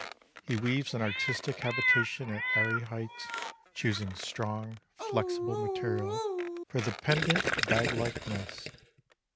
He weaves an artistic habitation at airy heights, choosing strong, flexible material for the pendant, bag like nest.